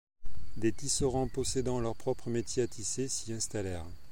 Des tisserands possédant leur propre métier à tisser s'y installèrent.